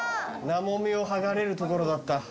ナモミを剥がれるところだった。